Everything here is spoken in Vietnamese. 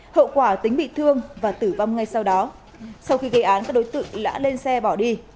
hậu quả tính bị thương và tử vong ngay sau đó sau khi gây án các đối tượng đã lên xe bỏ đi